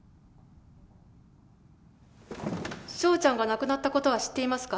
翔ちゃんが亡くなったことは知っていますか？